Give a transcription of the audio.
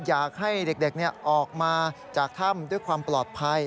อยากให้เด็กออกมาจากถ้ำด้วยความปลอดภัย